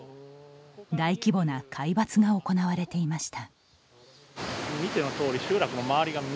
大規模な皆伐が行われていました。